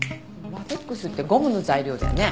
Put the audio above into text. ラテックスってゴムの材料だよね？